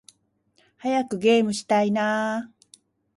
早くゲームしたいな〜〜〜